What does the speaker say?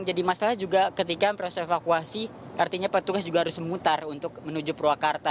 jadi masalahnya juga ketika proses evakuasi artinya petugas juga harus memutar untuk menuju purwokarta